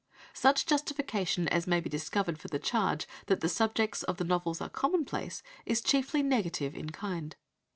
Such justification as may be discovered for the charge that the subjects of the novels are commonplace is chiefly negative in kind.